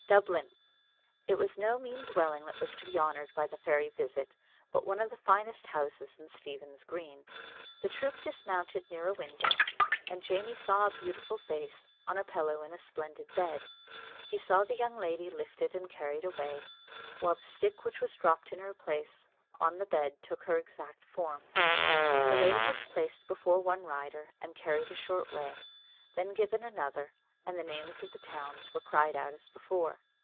Dublin!" It was no mean dwelling that was to be honoured by the fairy visit, but one of the finest houses in Stephen's Green. The troop dismounted near a window, and Jamie saw a beautiful face, on a pillow in a splendid bed. He saw the young lady lifted and carried away, while the stick which was dropped in her place on the bed took her exact form. The lady was placed before one rider and carried a short way, then given another, and the names of the towns were cried out as before.